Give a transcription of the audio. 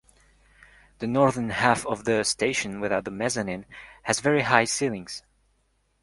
The northern half of the station without the mezzanine has very high ceilings.